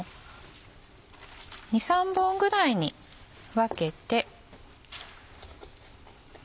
２３本ぐらいに分けて。